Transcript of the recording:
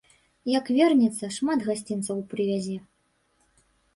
Як вернецца, шмат гасцінцаў прывязе.